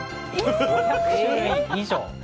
５００種類以上。